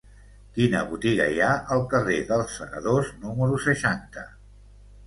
Quina botiga hi ha al carrer dels Segadors número seixanta?